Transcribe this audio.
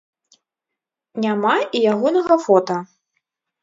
Няма і ягонага фота.